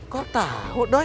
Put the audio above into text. kok tahu doi